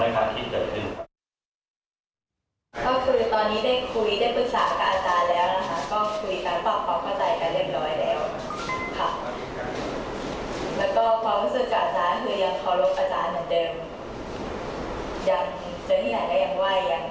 ยังเจอใหญ่และยังไหวยังพูดคุยกันเหมือนเดิมอย่างเดิม